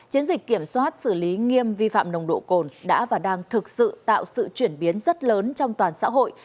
chiến dịch kiểm soát xử lý nghiêm vi phạm nồng độ cồn đã và đang thực sự tạo sự chuyển biến rất lớn trong toàn xã hội